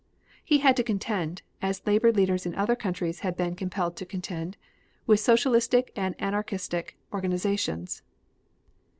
He had to contend, as labor leaders in other countries had been compelled to contend, with socialistic and anarchistic organizations.